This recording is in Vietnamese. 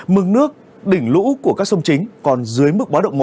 mừng nước đỉnh lũ của các sông chính còn dưới mức bó động một